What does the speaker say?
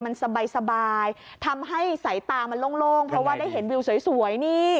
มันสบายทำให้สายตามันโล่งเพราะว่าได้เห็นวิวสวยนี่